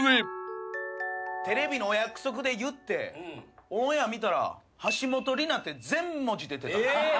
テレビのお約束で言ってオンエア見たら橋本梨菜って全文字出てた。